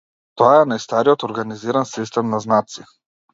Тоа е најстариот организиран систем на знаци.